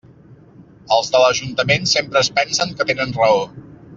Els de l'ajuntament sempre es pensen que tenen raó.